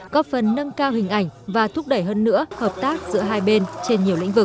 có phần nâng cao hình ảnh và thúc đẩy hơn nữa hợp tác giữa hai bên trên nhiều lĩnh vực